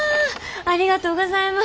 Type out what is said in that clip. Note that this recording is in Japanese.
ありがとうございます。